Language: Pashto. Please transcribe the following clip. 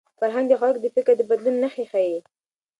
فرهنګ د خلکو د فکر د بدلون نښې ښيي.